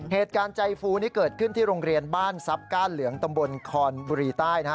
เหตุการณ์ใจฟูนี่เกิดขึ้นที่โรงเรียนบ้านทรัพย์ก้านเหลืองตำบลคอนบุรีใต้นะฮะ